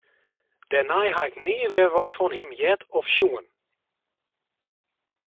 Dêrnei ha ik nea wer wat fan him heard of sjoen.